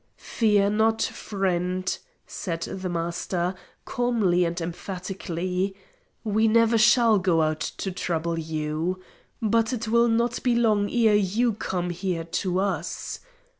"Fear not, friend," said the Master, calmly and emphatically. "We never shall go out to trouble you; but it will not be long ere you come here to us.